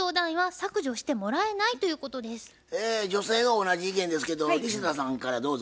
女性が同じ意見ですけど西田さんからどうぞ。